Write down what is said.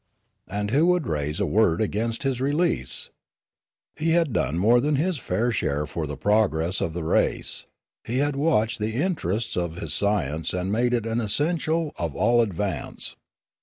And who could raise a word against his release ? He had done more than his share for the progress of the race. He had watched the interests of his science and made it an essential of all advance.